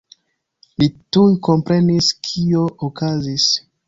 Li tuj komprenis, kio okazis.